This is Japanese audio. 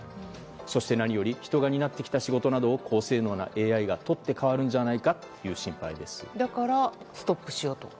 そして何より人が担ってきた仕事などを高性能なＡＩが取って代わるんじゃないかだから、ストップしようと？